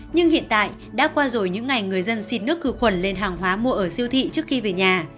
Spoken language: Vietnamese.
nhưng hiện tại đã qua rồi những ngày người dân xin nước khử khuẩn lên hàng hóa mua ở siêu thị trước khi về nhà